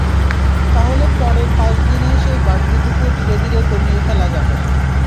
তাহলে পরের পাঁচ দিনে সেই বাড়তিটুকু ধীরে ধীরে কমিয়ে ফেলা যাবে।